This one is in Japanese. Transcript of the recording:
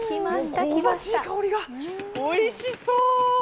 香ばしい香りが、おいしそう。